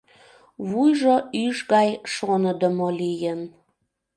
Вуйжо ӱш гай шоныдымо лийын.